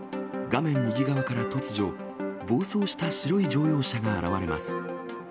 画面右側から突如、暴走した白い乗用車が現れます。